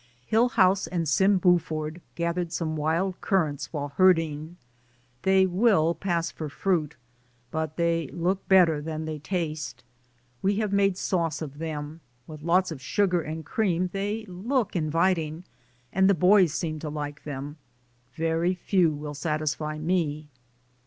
Hillhouse and Sim Buford gathered some wild currants while herding; they will pass for fruit, but they look better than they taste. We have made sauce of them; with lots of sugar and cream they look inviting, and the boys seem to like them; very few 138 DAYS ON THE ROAD. will satisfy me.